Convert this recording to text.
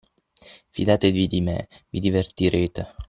Fidatevi di me, vi divertirete.